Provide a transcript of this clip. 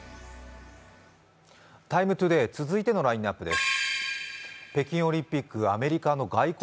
「ＴＩＭＥ，ＴＯＤＡＹ」続いてのラインナップです。